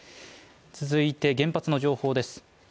続いて原発の情報です。